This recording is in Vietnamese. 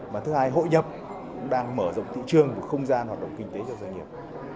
và thứ hai hội nhập cũng đang mở rộng thị trường và không gian hoạt động kinh tế cho doanh nghiệp